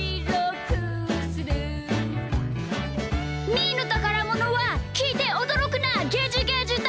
「みーのたからものはきいておどろくなゲジゲジだ！」